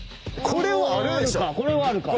これはあるか。